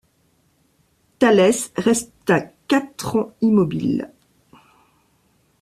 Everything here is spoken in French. Thalès resta quatre ans immobile.